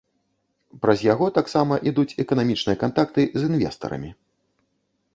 Праз яго таксама ідуць эканамічныя кантакты з інвестарамі.